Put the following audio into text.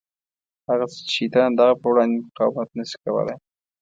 هغه څه چې شیطان د هغه په وړاندې مقاومت نه شي کولای.